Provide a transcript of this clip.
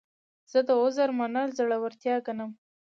زه د عذر منل زړورتیا ګڼم.